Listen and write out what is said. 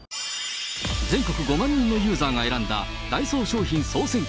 全国５万人のユーザーが選んだダイソー商品総選挙